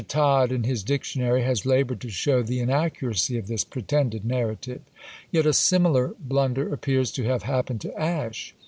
Todd, in his Dictionary, has laboured to show the "inaccuracy of this pretended narrative." Yet a similar blunder appears to have happened to Ash.